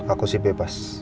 aku sih bebas